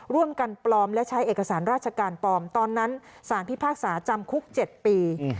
ร่วมกันปลอมและใช้เอกสารราชการปลอมตอนนั้นสารพิพากษาจำคุก๗ปี